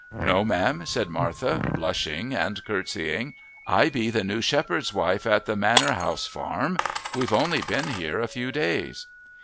"No, ma'am," said Martha, blushing and curtsying. "I be the new shepherd's wife at the manor house farm we've only been here a few days."